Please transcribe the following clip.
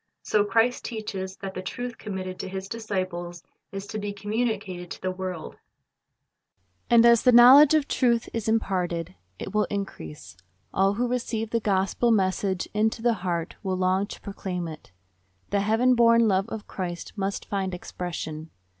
So Christ teaches that the truth committed to His disciples is to be communicated to the world. And as the knowledge of truth is imparted, it will increase. (124) Based on Matt. 13:51,52 " Tli i n (^s Ncu< ami /(/" 125 All who receive the gospel message into the heart will long to proclaim it. The heaven born love of Christ must find expression.